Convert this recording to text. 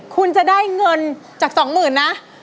คุณจะได้เงินจากสองหมื่นนะ